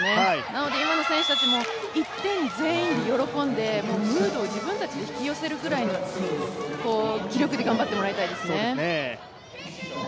なので今の選手たちも１点を全員で喜んでムードを自分たちで引き寄せるぐらいの気力で頑張ってもらいたいですね。